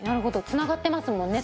繋がってますもんね